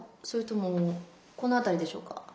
それともこの辺りでしょうか？